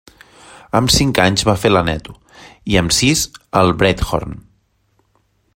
Amb cinc anys va fer l'Aneto, i amb sis el Breithorn.